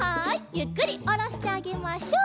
ゆっくりおろしてあげましょう。